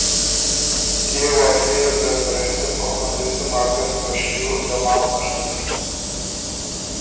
بئے واقعیه يې ته څرېسُم او پنځېسُم اګست په شیو دمام نر سُک